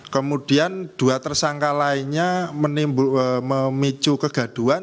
kemudian dua tersangka lainnya memicu kegaduan